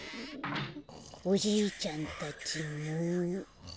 おじいちゃんたちも。